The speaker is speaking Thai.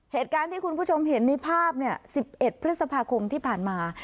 เหตุการณ์ที่คุณผู้ชมเห็นในภาพ๑๑พฤษภาคมที่ผ่านมา